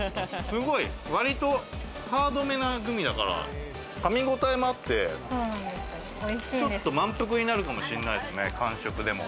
すごい、割とハードめなグミだから、噛みごたえもあって、ちょっと満腹になるかもしんないですね、間食でも。